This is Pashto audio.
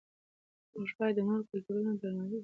موږ باید د نورو کلتورونو درناوی وکړو.